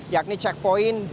yakni checkpoint di